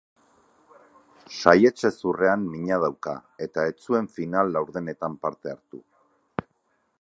Saihets-hezurrean mina dauka eta ez zuen final-laurdenetan parte hartu.